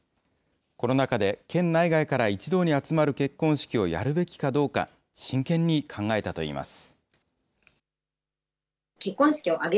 コロナ禍で県内外で一堂に集まる結婚式をやるべきかどうか、真剣に考えたといいます。